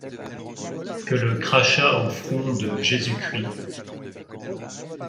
que le crachat au front de Jésus-Christ.